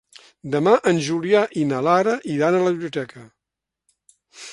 Demà en Julià i na Lara iran a la biblioteca.